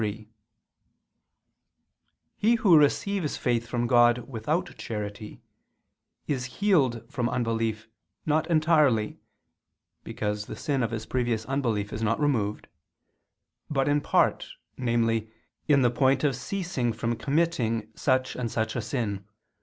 3: He who receives faith from God without charity, is healed from unbelief, not entirely (because the sin of his previous unbelief is not removed) but in part, namely, in the point of ceasing from committing such and such a sin.